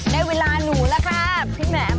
ได้เวลาหนูแล้วค่ะพี่แหม่ม